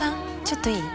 ちょっといい？